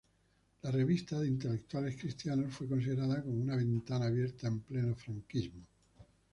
La revista, de intelectuales cristianos, fue considerada como una ventana abierta en pleno franquismo.